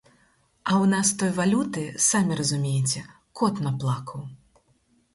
А ў нас той валюты, самі разумееце, кот наплакаў.